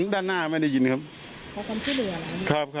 ด้านหน้าไม่ได้ยินครับ